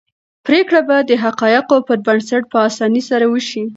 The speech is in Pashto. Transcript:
پرېکړه به د حقایقو پر بنسټ په اسانۍ سره وشي.